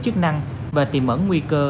chức năng và tìm ẩn nguy cơ